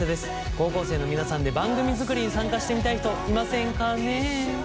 高校生の皆さんで番組作りに参加してみたい人いませんかね？